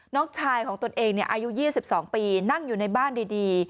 น้องชายของตนเองอายุ๒๒ปีนั่งอยู่ในบ้านดี